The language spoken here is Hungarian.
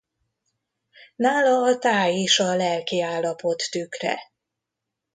Nála a táj is a lelki állapot tükre.